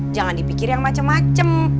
jangan dipikir yang macem macem